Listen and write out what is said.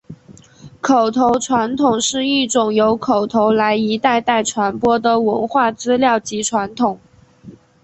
口头传统是一种由口头来一代代传播的文化资料及传统。